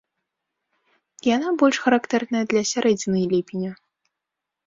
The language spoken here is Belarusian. Яна больш характэрная для сярэдзіны ліпеня.